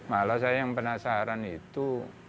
malah saya yang penasaran itu